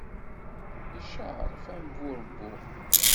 Icceɛṛef, am burebbu.